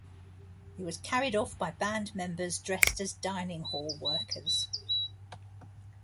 He was carried off by band members dressed as dining hall workers.